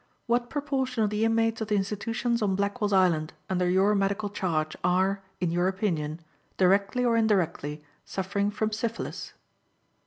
What proportion of the inmates of the institutions on Blackwell's Island under your medical charge are, in your opinion, directly or indirectly suffering from syphilis?